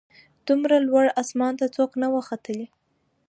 دومره لوړ اسمان ته څوک نه وه ختلي